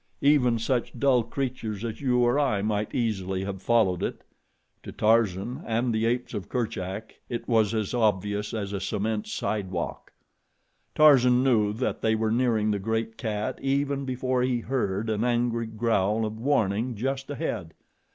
Even such dull creatures as you or I might easily have followed it. To Tarzan and the apes of Kerchak it was as obvious as a cement sidewalk. Tarzan knew that they were nearing the great cat even before he heard an angry growl of warning just ahead.